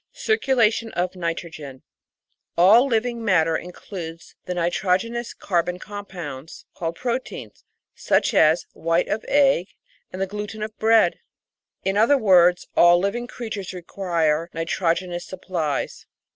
Circulation of Nitrogen All living matter includes the nitrogenous carbon compounds called proteins, such as white of egg and the gluten of bread. In other words, all living creatures require nitrogenous supplies.